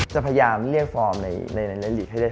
จะพยายามเรียกฟอร์มในรายลิฟท์